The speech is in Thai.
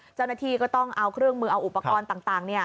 เจ้าหน้าที่ก็ต้องเอาเครื่องมือเอาอุปกรณ์ต่าง